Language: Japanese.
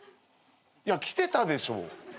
いや来てたでしょ。